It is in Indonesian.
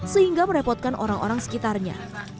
sehingga merepotkan orang orang sekitarnya